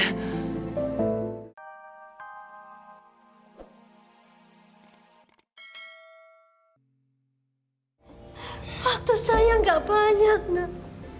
waktu sayang gak banyak nek